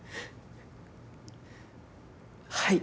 はい。